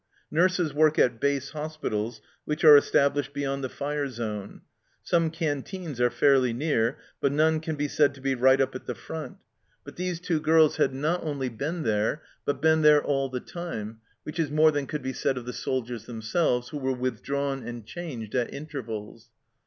Nurses work at base hospitals which are established beyond the fire zone ; some canteens are fairly near, but none can be said to be right up at the front. But these two girls had not only SHELLED OUT 213 been there, but been there all the time, which is more than could be said of the soldiers themselves, who were withdrawn and changed at intervals.